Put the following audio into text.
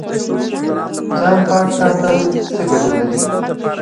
ځان پاک ساتل څه ګټه لري؟